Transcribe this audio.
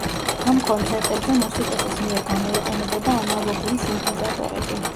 ამ კონცერტებზე მუსიკოსის მიერ გამოიყენებოდა ანალოგური სინთეზატორები.